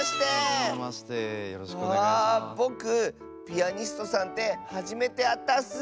ぼくピアニストさんってはじめてあったッス。